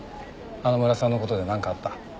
花村さんの事でなんかあった？